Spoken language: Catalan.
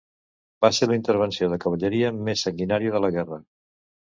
Va ser la intervenció de cavalleria més sanguinària de la guerra.